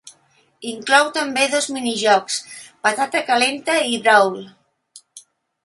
Inclou també dos mini jocs: Patata calenta i Brawl.